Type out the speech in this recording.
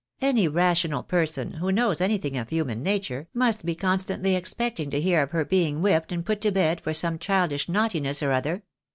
Any rational person, who knows anything of human nature, must be constantly expecting to hear of her being whipped and put to bed for some childish naughtiness or other.